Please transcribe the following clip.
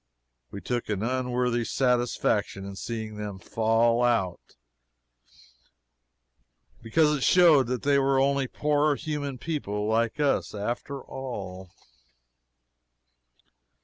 We took an unworthy satisfaction in seeing them fall out, now and then, because it showed that they were only poor human people like us, after all.